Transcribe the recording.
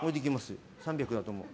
３００だと思う。